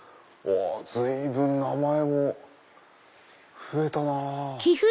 随分名前も増えたなぁ。